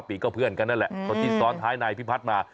ปีก็เพื่อนกันนั่นแหละคนที่ซ้อนท้ายนายพิพัฒน์มา